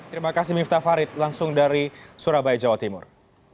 terima kasih miftah farid langsung dari surabaya jawa timur